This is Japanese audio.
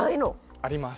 あります